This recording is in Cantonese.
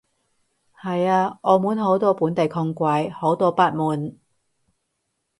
係啊，澳門好多本地窮鬼，好多不滿